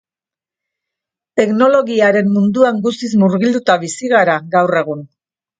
Teknologiaren munduan guztiz murgilduta bizi gara, gaur egun.